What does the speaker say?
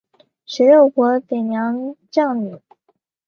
十六国北凉将领。